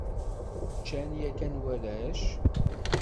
Ččan yakan warrac?